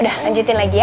udah lanjutin lagi ya